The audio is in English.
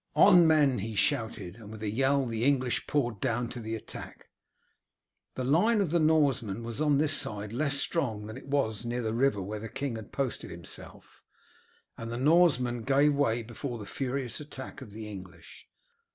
"On men!" he shouted, and with a yell the English poured down to the attack The line of the Norsemen was on this side less strong than it was near the river where their king had posted himself, and the Norsemen gave way before the furious attack of the English.